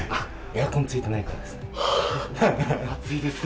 エアコンついてないからです。